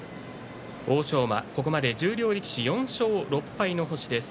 欧勝馬、ここまで十両力士４勝６敗の星です。